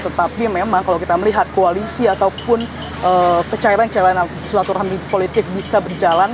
tetapi memang kalau kita melihat koalisi ataupun kecairan kecairan suatu rahmi politik bisa berjalan